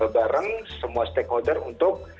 bareng semua stakeholder untuk